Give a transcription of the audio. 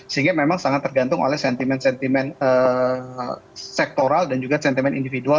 sehingga memang sangat tergantung oleh sentiment sentiment sektoral dan juga sentiment individual